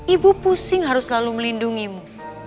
ibu pusing harus selalu melindungimu